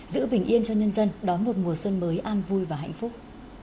giữ bình yên cho nhân dân đón một mùa xuân mới an vui và hạnh phúc